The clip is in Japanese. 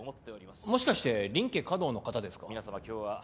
もしかして林家華道の方ですか？